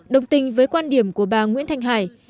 đồng tình với quan điểm của bà nguyễn thành hải